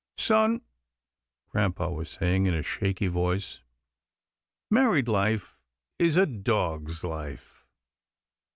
" Son," grampa was saying in a shaky voice, " married life is a dog's life."